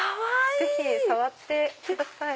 ぜひ触ってください。